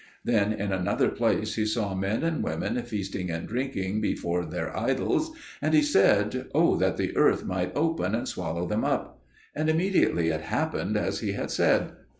Then in another place he saw men and women feasting and drinking before their idols, and he said, "O that the earth might open and swallow them up!" And immediately it happened as he had said.